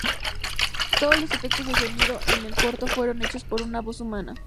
Todos los efectos de sonido en el corto fueron hechas por una voz humana.